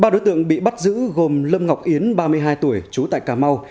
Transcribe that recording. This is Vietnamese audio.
ba đối tượng bị bắt giữ gồm lâm ngọc yến ba mươi hai tuổi chú tại cà mau